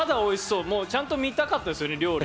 ちゃんと見たかったですよね料理。